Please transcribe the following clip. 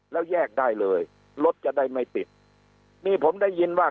แล้วแยกได้เลยรถจะได้ไม่ติดนี่ผมได้ยินว่า